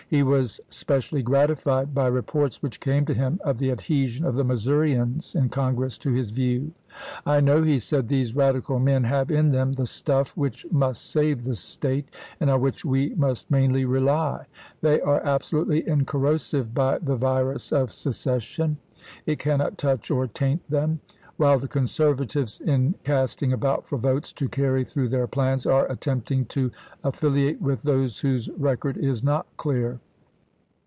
He was specially gratified by reports which came to him of the adhesion of the Missourians in Congress to his view. "I know," he said, " these radical men have in them the stuff which must save the State, and on which we must mainly rely. They are absolutely incorrosive by the virus of secession. It cannot touch or taint them ; while the conservatives, in casting about for votes to carry through their plans, are attempting to affiliate with those whose record is not clear.